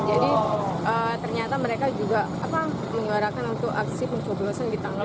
jadi ternyata mereka juga mengarahkan untuk aksi pemimpin pemimpin di tanggal dua puluh tujuh